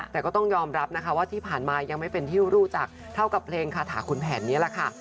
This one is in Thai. แต่ก็ต้องยอมรับนะคะว่าที่ผ่านมายังไม่เป็นที่รู้จักเท่ากับเพลงคาถาขุนแผนนี้แหละค่ะ